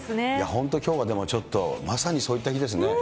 本当、きょうはちょっとまさにそういった日ですね。